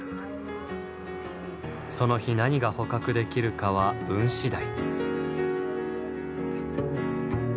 その日何が捕獲できるかは運次第。